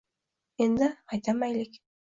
Endi haydamaylik